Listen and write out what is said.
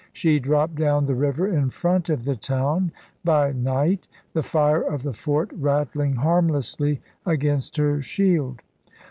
She dropped down the river in front of the town by night, the fire of the fort rattling harmlessly against her shield.